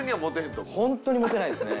ホントにモテないですね。